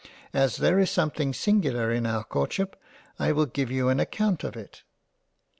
As there is something singular in our Court ship, I will give you an account of it.